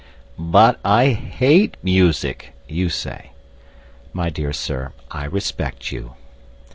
"But I hate music!" you say. My dear sir, I respect you.